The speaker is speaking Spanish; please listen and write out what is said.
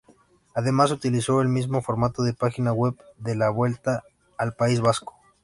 Además, utilizó el mismo formato de página web de la Vuelta al País Vasco.